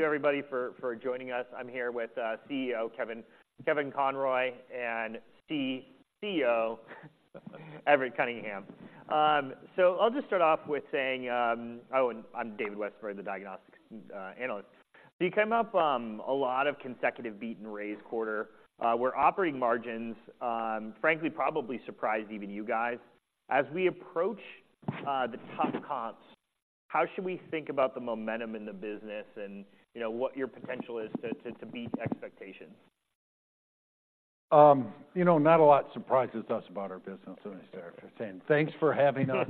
Thank you everybody for joining us. I'm here with CEO Kevin Conroy and CEO Everett Cunningham. I'll just start off with saying and I'm David Leckow the diagnostics analyst. So you came up a lot of consecutive beat and raise quarter. Where operating margins frankly probably surprised even you guys. As we approach the tough comps how should we think about the momentum in the business and you know what your potential is to beat expectations? You know, not a lot surprises us about our business anymore, Sarah, for saying. Thanks for having us.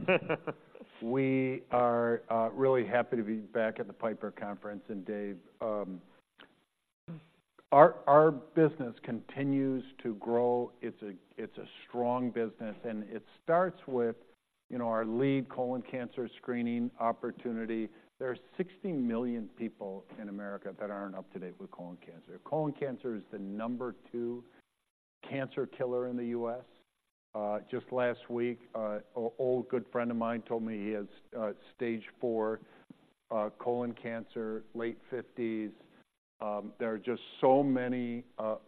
We are really happy to be back at the Piper Conference. And, Dave, our business continues to grow. It's a strong business. It starts with, you know, our lead colon cancer screening opportunity. There are 60 million people in America that aren't up to date with colon cancer. Colon cancer is the number 2 cancer killer in the U.S. Just last week, an old good friend of mine told me he has stage four colon cancer, late 50s. There are just so many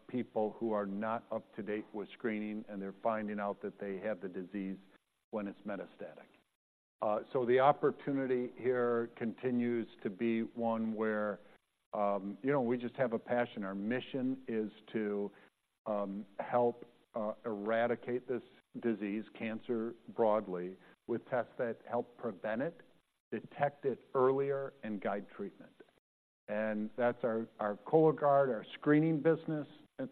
people who are not up to date with screening, and they're finding out that they have the disease when it's metastatic. So the opportunity here continues to be one where, you know, we just have a passion. Our mission is to help eradicate this disease, cancer broadly with tests that help prevent it, detect it earlier, and guide treatment. And that's our Cologuard, our screening business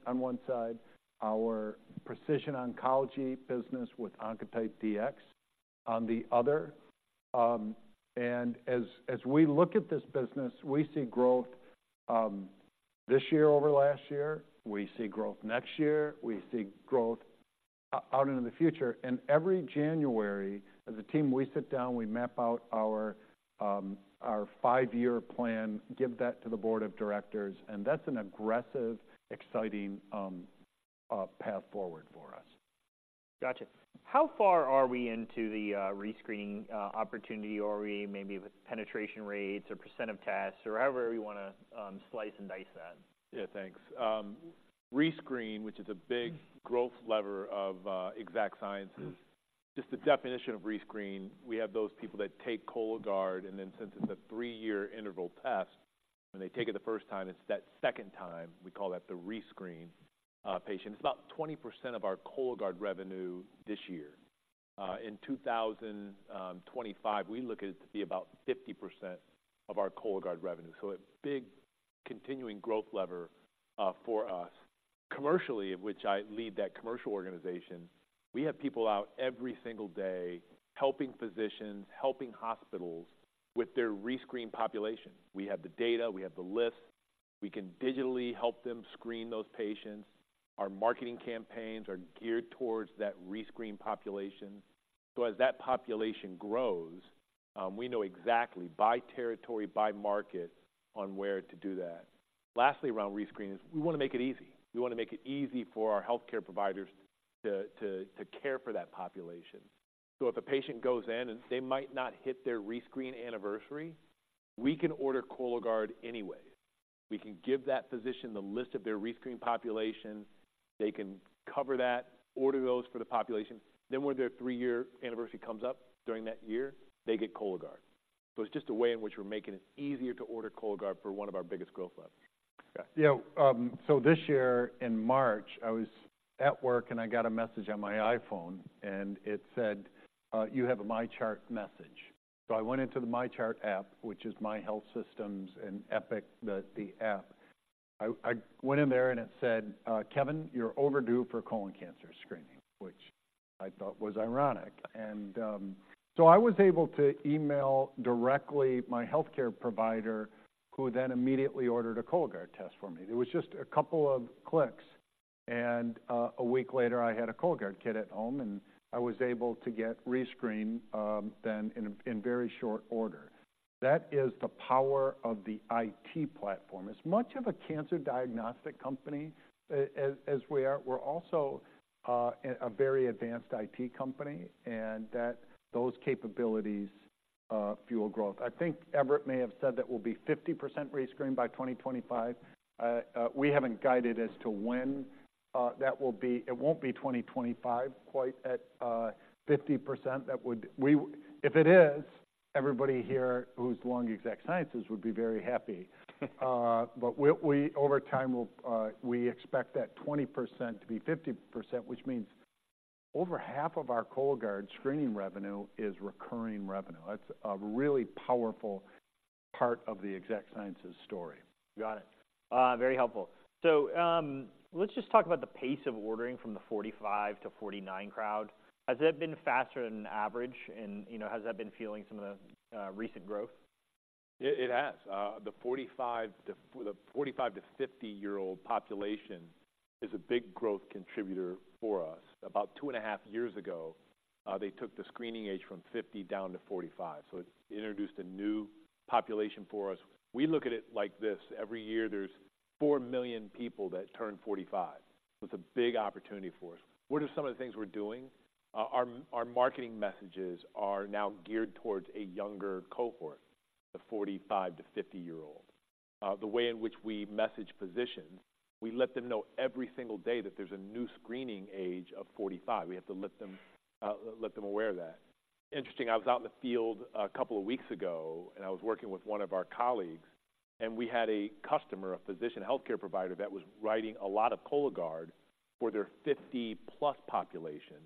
on one side. Our precision oncology business with Oncotype DX on the other. And as we look at this business, we see growth this year over last year. We see growth next year. We see growth out into the future. And every January as a team we sit down, we map out our five-year plan, give that to the board of directors. And that's an aggressive exciting path forward for us. Gotcha. How far are we into the rescreening opportunity or are we maybe with penetration rates or percent of tests or however you wanna slice and dice that? Yeah, thanks. Rescreen, which is a big growth lever of Exact Sciences. Just the definition of rescreen: we have those people that take Cologuard and then since it's a three-year interval test when they take it the first time it's that second time we call that the rescreen patient. It's about 20% of our Cologuard revenue this year. In 2025 we look at it to be about 50% of our Cologuard revenue. A big continuing growth lever for us. Commercially of which I lead that commercial organization we have people out every single day helping physicians helping hospitals with their rescreen population. We have the data. We have the lists. We can digitally help them screen those patients. Our marketing campaigns are geared towards that rescreen population. As that population grows we know exactly by territory by market on where to do that. Lastly around rescreen is we wanna make it easy. We wanna make it easy for our healthcare providers to care for that population. If a patient goes in and they might not hit their rescreen anniversary we can order Cologuard anyway. We can give that physician the list of their rescreen population. They can cover that order those for the population. Then when their three-year anniversary comes up during that year they get Cologuard. So it's just a way in which we're making it easier to order Cologuard for one of our biggest growth levers. Yeah, yeah, this year in March I was at work and I got a message on my iPhone. It said you have a MyChart message. I went into the MyChart app which is My Health Systems and Epic the app. I went in there and it said Kevin, you're overdue for colon cancer screening which I thought was ironic. So I was able to email directly my healthcare provider who then immediately ordered a Cologuard test for me. It was just a couple of clicks. A week later I had a Cologuard kit at home. I was able to get rescreen then in very short order. That is the power of the IT platform. It's much of a cancer diagnostic company as we are. We're also a very advanced IT company. Those capabilities fuel growth. I think Everett may have said that we'll be 50% rescreen by 2025. We haven't guided as to when that will be. It won't be 2025 quite at 50% that would we if it is everybody here who's long Exact Sciences would be very happy. But we'll we over time we'll we expect that 20% to be 50% which means over half of our Cologuard screening revenue is recurring revenue. That's a really powerful part of the Exact Sciences story. Got it. Very helpful. So let's just talk about the pace of ordering from the 45-49 crowd. Has that been faster than average? And you know has that been feeling some of the recent growth? It has. The 45- to 50-year-old population is a big growth contributor for us. About two and a half years ago they took the screening age from 50 down to 45. So it introduced a new population for us. We look at it like this. Every year there's 4 million people that turn 45. So it's a big opportunity for us. What are some of the things we're doing? Our marketing messages are now geared towards a younger cohort, the 45 to 50-year-old. The way in which we message physicians, we let them know every single day that there's a new screening age of 45. We have to let them aware of that. Interesting, I was out in the field a couple of weeks ago. I was working with one of our colleagues. We had a customer, a physician healthcare provider, that was writing a lot of Cologuard for their 50+ population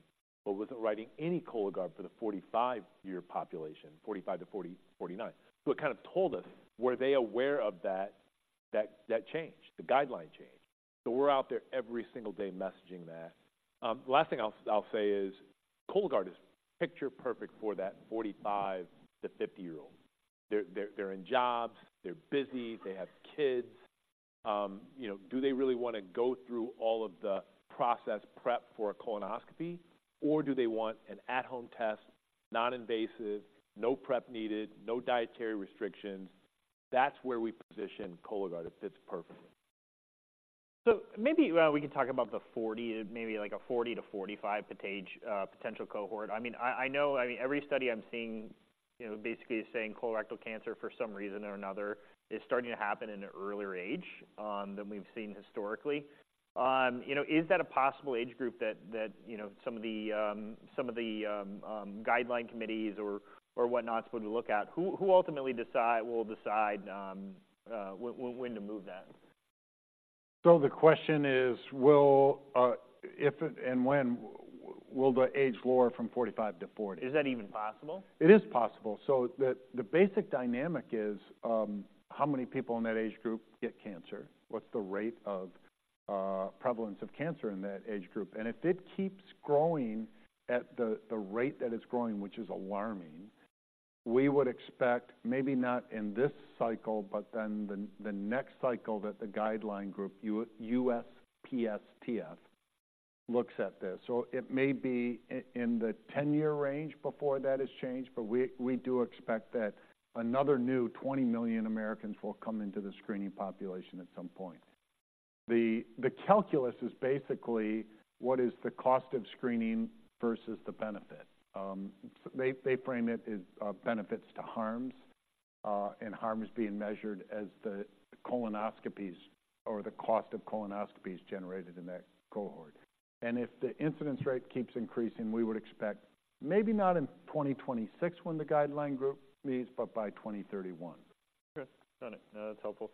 but wasn't writing any Cologuard for the 45-year population, 45 to 49. So it kind of told us, were they aware of that change, the guideline change. So we're out there every single day messaging that. Last thing I'll say is Cologuard is picture perfect for that 45 to 50-year-old. They're in jobs. They're busy. They have kids. You know, do they really wanna go through all of the process prep for a colonoscopy? Or do they want an at-home test, non-invasive, no prep needed, no dietary restrictions? That's where we position Cologuard. It fits perfectly. So maybe we can talk about the 40 maybe like a 40-45 yo potential cohort. I mean, I know, I mean every study I'm seeing you know basically is saying colorectal cancer for some reason or another is starting to happen in an earlier age than we've seen historically. You know is that a possible age group that you know some of the guideline committees or whatnots would look at? Who ultimately decide will decide when to move that? So the question is, will it and when will the age lower from 45 to 40? Is that even possible? It is possible. The basic dynamic is how many people in that age group get cancer? What's the rate of prevalence of cancer in that age group? And if it keeps growing at the rate that it's growing which is alarming we would expect maybe not in this cycle but then the next cycle that the guideline group USPSTF looks at this. It may be in the ten-year range before that has changed. But we do expect that another new 20 million Americans will come into the screening population at some point. The calculus is basically what is the cost of screening versus the benefit. They frame it as benefits to harms. And harms being measured as the colonoscopies or the cost of colonoscopies generated in that cohort. If the incidence rate keeps increasing we would expect maybe not in 2026 when the guideline group meets but by 2031. Okay, got it. No, that's helpful.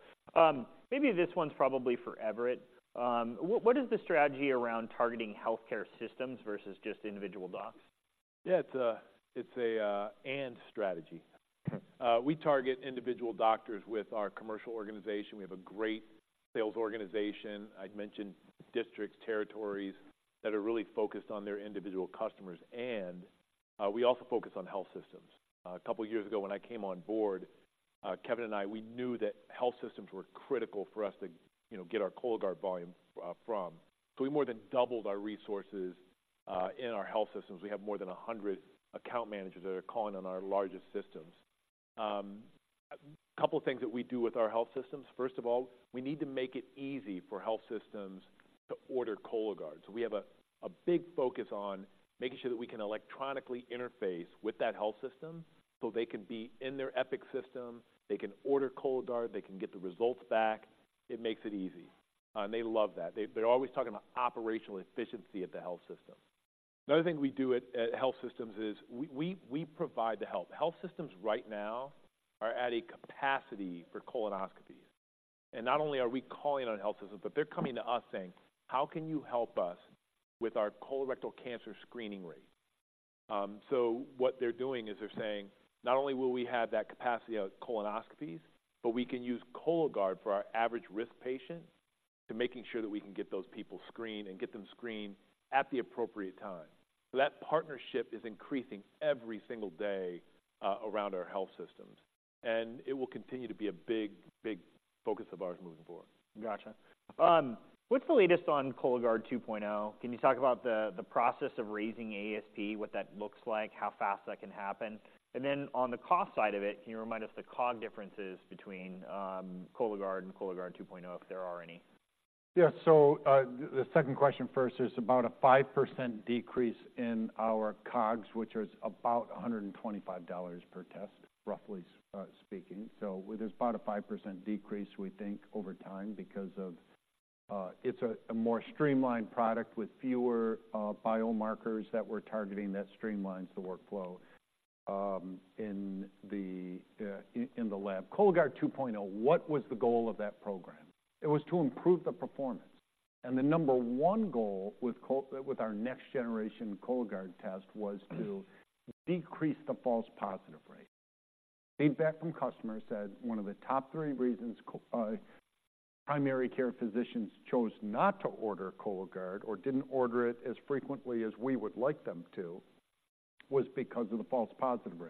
Maybe this one's probably for Everett. What is the strategy around targeting healthcare systems versus just individual docs? Yeah, it's an AND strategy. We target individual doctors with our commercial organization. We have a great sales organization. I'd mentioned districts territories that are really focused on their individual customers. And we also focus on health systems. A couple of years ago when I came on board Kevin and I knew that health systems were critical for us to you know get our Cologuard volume from. So we more than doubled our resources in our health systems. We have more than 100 account managers that are calling on our largest systems. A couple of things that we do with our health systems first of all we need to make it easy for health systems to order Cologuard. So we have a big focus on making sure that we can electronically interface with that health system so they can be in their Epic system. They can order Cologuard. They can get the results back. It makes it easy, and they love that. They're always talking about operational efficiency at the health system. Another thing we do at health systems is we provide the help. Health systems right now are at a capacity for colonoscopies. Not only are we calling on health systems but they're coming to us saying how can you help us with our colorectal cancer screening rate? What they're doing is they're saying not only will we have that capacity for colonoscopies but we can use Cologuard for our average risk patient to make sure that we can get those people screened and get them screened at the appropriate time. That partnership is increasing every single day around our health systems. It will continue to be a big focus of ours moving forward. Gotcha. What's the latest on Cologuard 2.0? Can you talk about the process of raising ASP, what that looks like, how fast that can happen? And then on the cost side of it, can you remind us the COGs differences between Cologuard and Cologuard 2.0 if there are any? Yeah, so the second question first is about a 5% decrease in our COGs, which is about $125 per test, roughly speaking. So there's about a 5% decrease we think over time because it's a more streamlined product with fewer biomarkers that we're targeting that streamlines the workflow in the lab. Cologuard 2.0. What was the goal of that program? It was to improve the performance. And the number one goal with our next generation Cologuard test was to decrease the false positive rate. Feedback from customers said one of the top three reasons primary care physicians chose not to order Cologuard or didn't order it as frequently as we would like them to was because of the false positive rate.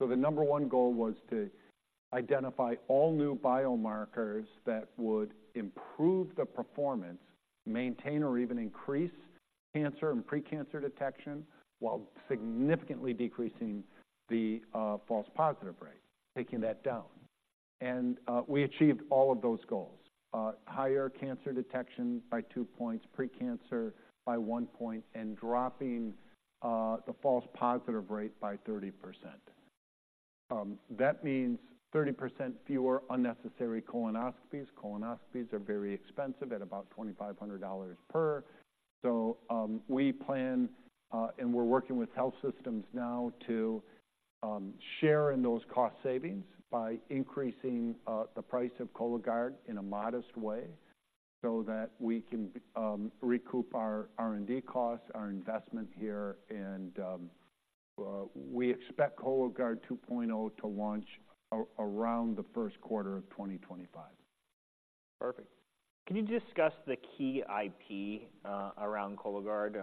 The number one goal was to identify all new biomarkers that would improve the performance, maintain or even increase cancer and pre-cancer detection while significantly decreasing the false positive rate, taking that down. And we achieved all of those goals: higher cancer detection by two points, pre-cancer by one point, and dropping the false positive rate by 30%. That means 30% fewer unnecessary colonoscopies. Colonoscopies are very expensive at about $2,500 per. We plan and we're working with health systems now to share in those cost savings by increasing the price of Cologuard in a modest way so that we can recoup our R&D costs, our investment here, and we expect Cologuard 2.0 to launch around the first quarter of 2025. Perfect. Can you discuss the key IP around Cologuard?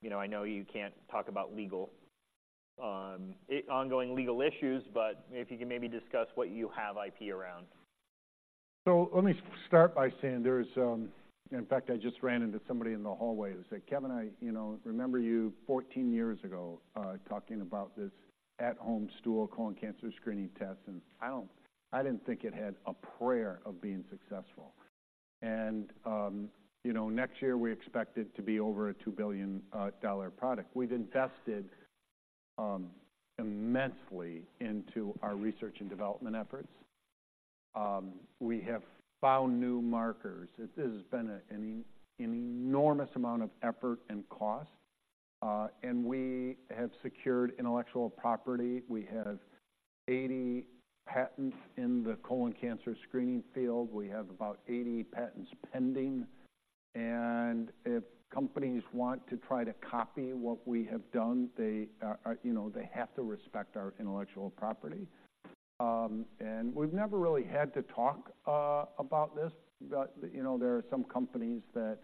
You know, I know you can't talk about legal, i.e., ongoing legal issues. But if you can maybe discuss what you have IP around. Let me start by saying there's in fact I just ran into somebody in the hallway who said Kevin I you know remember you 14 years ago talking about this at-home stool colon cancer screening test? I didn't think it had a prayer of being successful. You know next year we expect it to be over a $2 billion product. We've invested immensely into our research and development efforts. We have found new markers. This has been an enormous amount of effort and cost. We have secured intellectual property. We have 80 patents in the colon cancer screening field. We have about 80 patents pending. If companies want to try to copy what we have done they are you know they have to respect our intellectual property. We've never really had to talk about this. But you know there are some companies that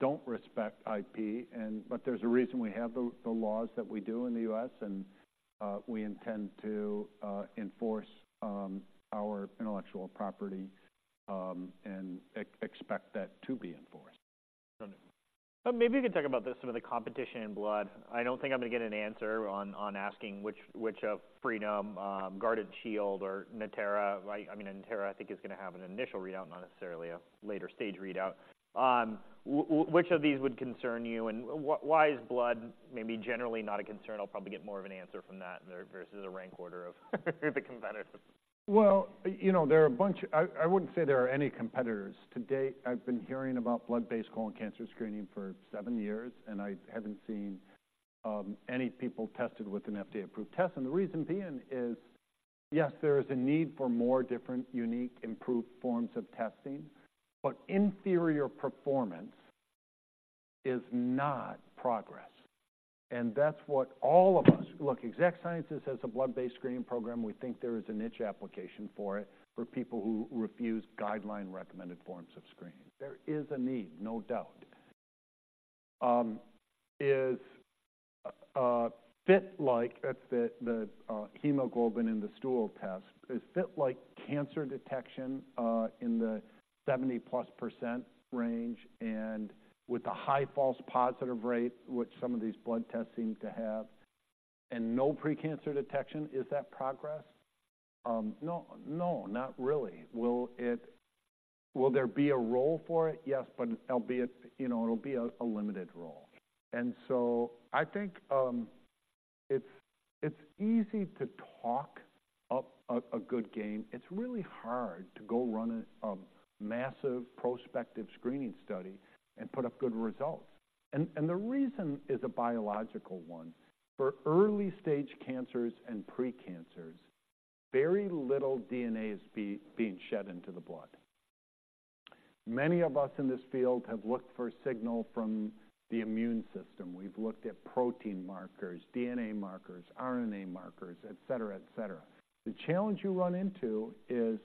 don't respect IP. But there's a reason we have the laws that we do in the U.S. We intend to enforce our intellectual property and expect that to be enforced. Got it. Maybe you can talk about this some of the competition and blood. I don't think I'm gonna get an answer on asking which Freenome, Guardant Shield, or Natera—I mean, Natera I think is gonna have an initial readout, not necessarily a later stage readout. Which of these would concern you? Why is blood maybe generally not a concern? I'll probably get more of an answer from that there versus a rank order of the competitors. Well, you know, there are a bunch. I wouldn't say there are any competitors. To date, I've been hearing about blood-based colon cancer screening for seven years. And I haven't seen any people tested with an FDA-approved test. And the reason being is yes, there is a need for more different, unique, improved forms of testing. But inferior performance is not progress. And that's what all of us at Exact Sciences has a blood-based screening program. We think there is a niche application for it for people who refuse guideline-recommended forms of screening. There is a need, no doubt. Is FIT like that's the hemoglobin in the stool test is FIT like cancer detection in the 70+% range and with a high false positive rate which some of these blood tests seem to have and no pre-cancer detection? Is that progress? No, no, not really. Will there be a role for it? Yes, but albeit, you know, it'll be a limited role. I think it's easy to talk up a good game. It's really hard to go run a massive prospective screening study and put up good results. And the reason is a biological one. For early stage cancers and pre-cancers very little DNA is being shed into the blood. Many of us in this field have looked for signal from the immune system. We've looked at protein markers, DNA markers, RNA markers, et cetera, et cetera. The challenge you run into is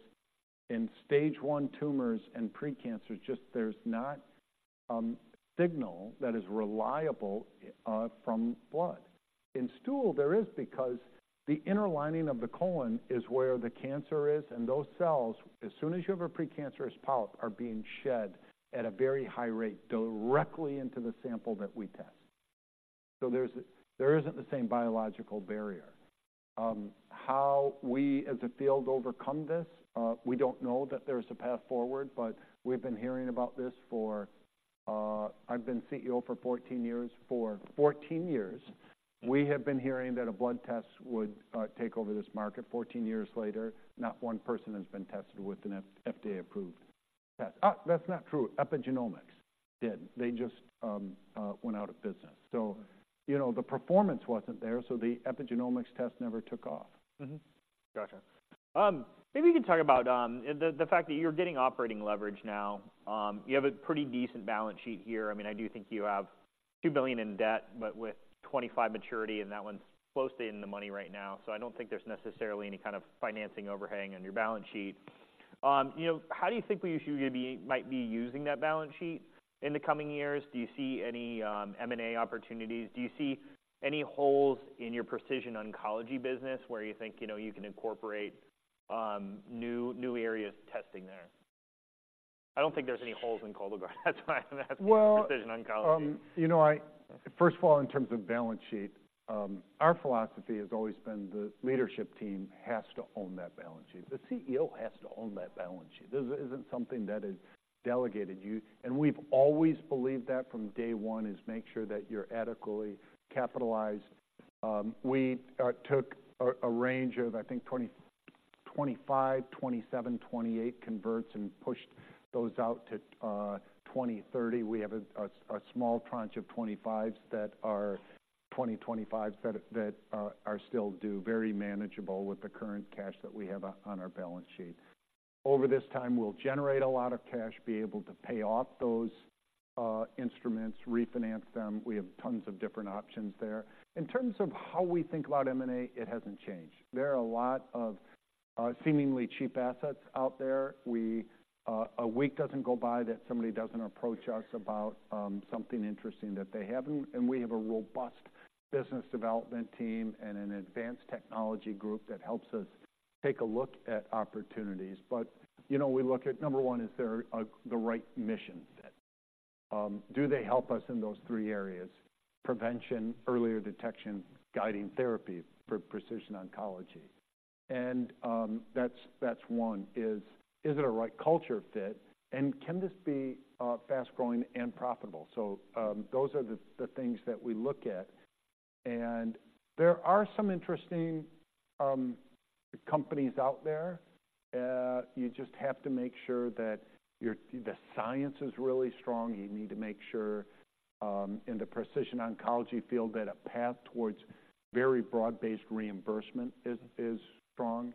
in stage one tumors and pre-cancers, just there's not signal that is reliable from blood. In stool there is because the inner lining of the colon is where the cancer is. Those cells, as soon as you have a pre-cancerous polyp, are being shed at a very high rate directly into the sample that we test. there isn't the same biological barrier. How we as a field overcome this we don't know that there's a path forward. But we've been hearing about this for. I've been CEO for 14 years. For 14 years we have been hearing that a blood test would take over this market. 14 years later not one person has been tested with an FDA-approved test. That's not true. Epigenomics did. They just went out of business. you know the performance wasn't there. the Epigenomics test never took off. Gotcha. Maybe you can talk about the fact that you're getting operating leverage now. You have a pretty decent balance sheet here. I mean I do think you have $2 billion in debt but with 2025 maturity and that one's closely in the money right now. I don't think there's necessarily any kind of financing overhang on your balance sheet. You know how do you think we should be using that balance sheet in the coming years? Do you see any M&A opportunities? Do you see any holes in your precision oncology business where you think you know you can incorporate new areas testing there? I don't think there's any holes in Cologuard. That's why I'm asking precision oncology. Well, you know, I first of all, in terms of balance sheet, our philosophy has always been the leadership team has to own that balance sheet. The CEO has to own that balance sheet. This isn't something that is delegated. You know, and we've always believed that from day one is make sure that you're adequately capitalized. We took a range of, I think, 2025, 2027, 2028 converts and pushed those out to 2030. We have a small tranche of 2025s that are 2025s that are still due, very manageable with the current cash that we have on our balance sheet. Over this time we'll generate a lot of cash be able to pay off those instruments refinance them. We have tons of different options there. In terms of how we think about M&A it hasn't changed. There are a lot of seemingly cheap assets out there. A week doesn't go by that somebody doesn't approach us about something interesting that they have. And we have a robust business development team and an advanced technology group that helps us take a look at opportunities. But you know we look at number one is there the right mission fit? Do they help us in those three areas: prevention, earlier detection, guiding therapy for precision oncology? And that's one is it a right culture fit? Can this be fast-growing and profitable? So those are the things that we look at. There are some interesting companies out there. You just have to make sure that the science is really strong. You need to make sure in the precision oncology field that a path towards very broad-based reimbursement is strong.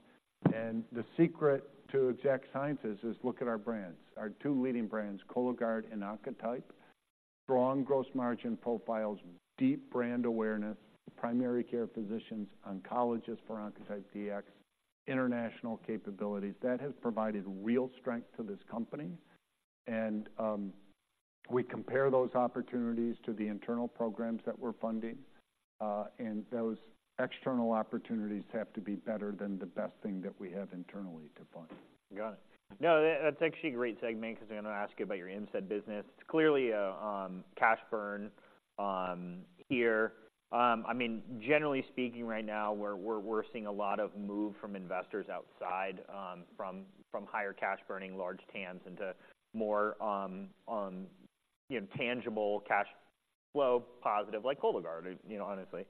The secret to Exact Sciences is, look at our brands, our two leading brands Cologuard and Oncotype, strong gross margin profiles, deep brand awareness [among] primary care physicians [and] oncologists for Oncotype DX, international capabilities. That has provided real strength to this company. We compare those opportunities to the internal programs that we're funding, and those external opportunities have to be better than the best thing that we have internally to fund. Got it. No, that's actually a great segment 'cause I'm gonna ask you about your MCED business. It's clearly a cash burn here. I mean generally speaking right now we're seeing a lot of move from investors outside from higher cash burning large TAMs into more you know tangible cash flow positive like Cologuard you know honestly.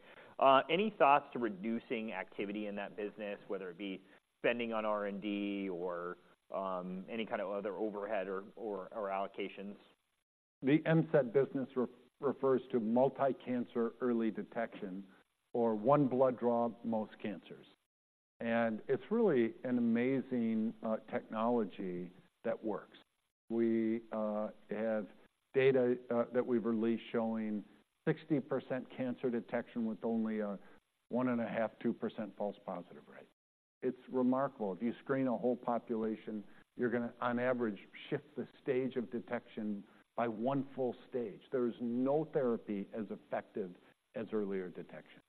Any thoughts to reducing activity in that business whether it be spending on R&D or any kind of other overhead or allocations? The MCED business refers to multi-cancer early detection or one blood draw most cancers. It's really an amazing technology that works. We have data that we've released showing 60% cancer detection with only a 1.5%-2% false positive rate. It's remarkable. If you screen a whole population you're gonna on average shift the stage of detection by one full stage. There is no therapy as effective as earlier detection.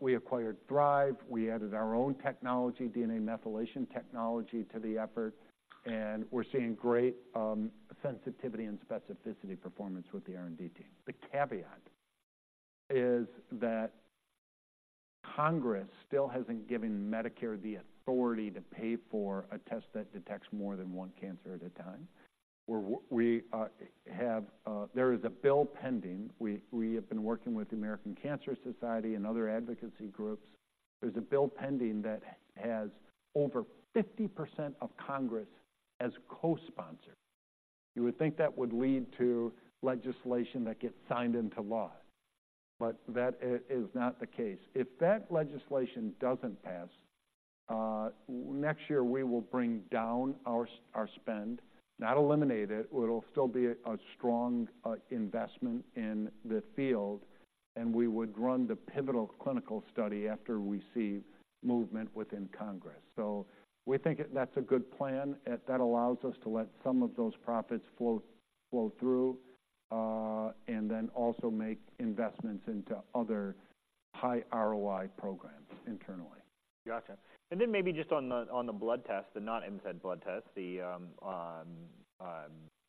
We acquired Thrive. We added our own technology DNA methylation technology to the effort. We're seeing great sensitivity and specificity performance with the R&D team. The caveat is that Congress still hasn't given Medicare the authority to pay for a test that detects more than one cancer at a time. We're we have there is a bill pending. We have been working with the American Cancer Society and other advocacy groups. There's a bill pending that has over 50% of Congress as co-sponsor. You would think that would lead to legislation that gets signed into law. But that is not the case. If that legislation doesn't pass next year we will bring down our spend not eliminate it. It'll still be a strong investment in the field. And we would run the pivotal clinical study after we see movement within Congress. We think that's a good plan. That allows us to let some of those profits flow through and then also make investments into other high ROI programs internally. Gotcha. And then maybe just on the blood test, the not MCED blood test the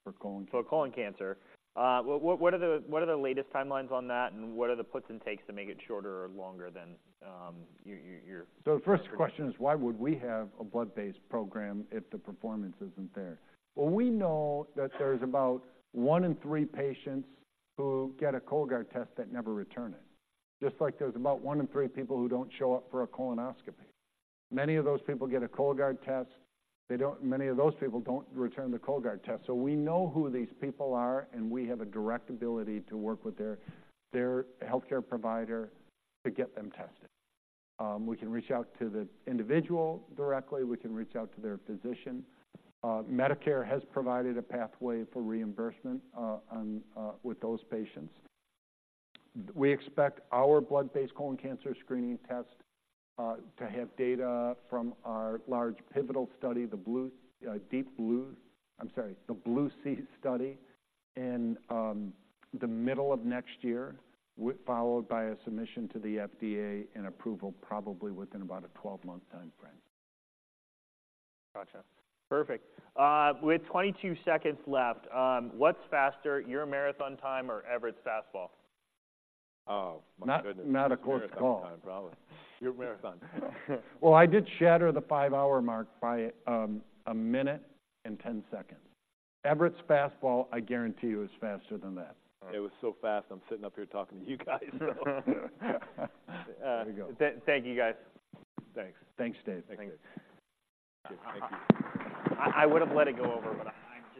For colon cancer. For colon cancer. What are the latest timelines on that? And what are the puts and takes to make it shorter or longer than your? The first question is why would we have a blood-based program if the performance isn't there? Well, we know that there's about one in three patients who get a Cologuard test that never return it, just like there's about one in three people who don't show up for a colonoscopy. Many of those people get a Cologuard test. Many of those people don't return the Cologuard test. We know who these people are. We have a direct ability to work with their healthcare provider to get them tested. We can reach out to the individual directly. We can reach out to their physician. Medicare has provided a pathway for reimbursement with those patients. We expect our blood-based colon cancer screening test to have data from our large pivotal study, the Blue-C study, in the middle of next year, followed by a submission to the FDA and approval probably within about a 12-month time frame. Gotcha. Perfect. With 22 seconds left, what's faster, your marathon time or Everett's fastball? Oh my goodness. Not a close call. Marathon time probably. Your marathon. Well, I did shatter the 5-hour mark by a minute and 10 seconds. Everett's fastball, I guarantee you, is faster than that. It was so fast. I'm sitting up here talking to you guys so. There you go. Thank you guys. Thanks. Thanks Dave. Thanks Dave. Thank you. I would have let it go over but I'm.